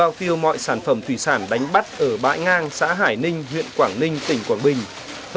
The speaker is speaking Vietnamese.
bao tiêu mọi sản phẩm thủy sản đánh bắt ở bãi ngang xã hải ninh huyện quảng ninh tỉnh quảng bình